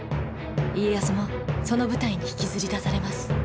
家康もその舞台に引きずり出されます。